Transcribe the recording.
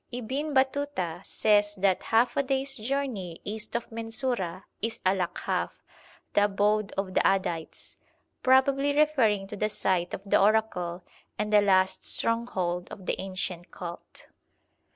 Ibn Batuta says that 'half a day's journey east of Mensura is Alakhaf, the abode of the Addites,' probably referring to the site of the oracle and the last stronghold of the ancient cult.